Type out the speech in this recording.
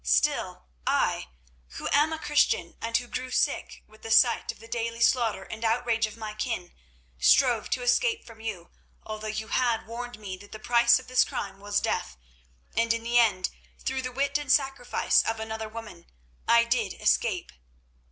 Still I, who am a Christian, and who grew sick with the sight of the daily slaughter and outrage of my kin, strove to escape from you, although you had warned me that the price of this crime was death; and in the end, through the wit and sacrifice of another woman, I did escape.